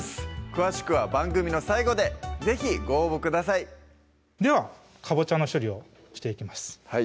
詳しくは番組の最後で是非ご応募くださいではかぼちゃの処理をしていきます